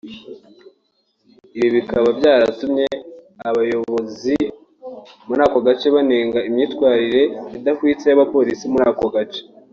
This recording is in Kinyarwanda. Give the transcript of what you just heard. ibi bikaba byaratumye abayobozi muri ako gace banenga imyitwarire idahwitse y’abapolisi muri ako gace